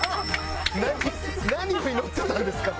「何を祈ってたんですか？」